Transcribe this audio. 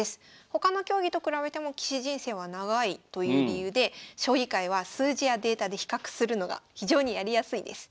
他の競技と比べても棋士人生は長いという理由で将棋界は数字やデータで比較するのが非常にやりやすいです。